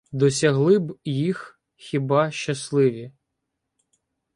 Досягли б їх хіба щасливі.